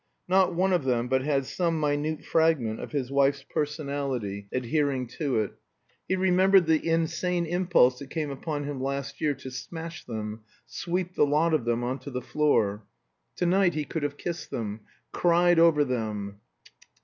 Not one of them but had some minute fragment of his wife's personality adhering to it. He remembered the insane impulse that came upon him last year to smash them, sweep the lot of them on to the floor. To night he could have kissed them, cried over them.